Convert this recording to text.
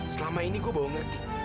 selama ini gue baru ngerti